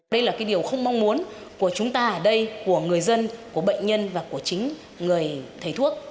đây là cái điều không mong muốn của chúng ta ở đây của người dân của bệnh nhân và của chính người thầy thuốc